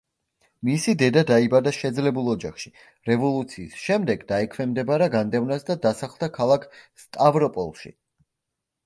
მისი დედა დაიბადა შეძლებულ ოჯახში, რევოლუციის შემდეგ დაექვემდებარა განდევნას და დასახლდა ქალაქ სტავროპოლში.